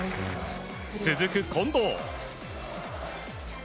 続く近藤。